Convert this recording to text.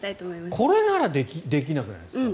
これならできなくないですか？